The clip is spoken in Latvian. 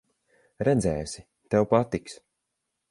Redzēsi, tev patiks.